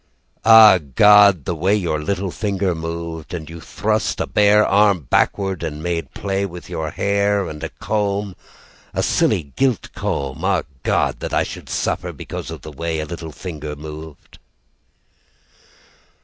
Ah, God, the way your little finger moved, As you thrust a bare arm backward And made play with your hair And a comb, a silly gilt comb Ah, God that I should suffer Because of the way a little finger moved.